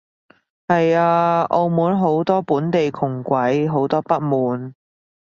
係啊，澳門好多本地窮鬼，好多不滿